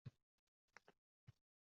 Yorug’likni ham ko’rmaydiganlar bor.